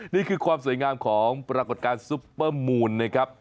นี่คือความสวยงามของปรากฏการณ์ซุปเปอร์มูลนะครับ